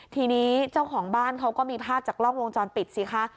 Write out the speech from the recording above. ทีนี้เจ้าของบ้านเขาก็มีภาพจากกล้องวงจรปิดสิคะ